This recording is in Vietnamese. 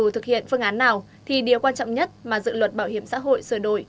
dù thực hiện phương án nào thì điều quan trọng nhất mà dự luật bảo hiểm xã hội sửa đổi